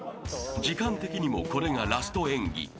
［時間的にもこれがラスト演技］